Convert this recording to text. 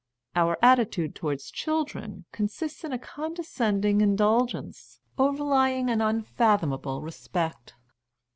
Our attitude towards children consists in a condescending indulgence, overlying an un fathomable respect.